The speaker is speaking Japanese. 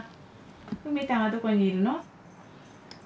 梅たんはどこにいるの？